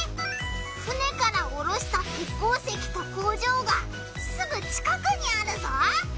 船からおろした鉄鉱石と工場がすぐ近くにあるぞ！